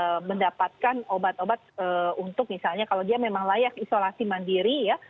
mereka mendapatkan obat obat untuk misalnya kalau dia memang layak isolasi mandiri ya